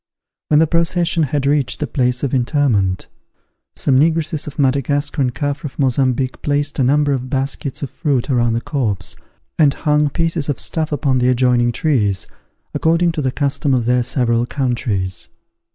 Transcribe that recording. When the procession had reached the place of interment, some negresses of Madagascar and Caffres of Mozambique placed a number of baskets of fruit around the corpse, and hung pieces of stuff upon the adjoining trees, according to the custom of their several countries.